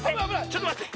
ちょっとまって。